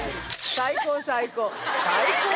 最高最高！